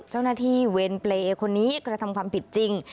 เจ้าหน้าที่เวรเปรย์คนนี้กระทำความผิดจริง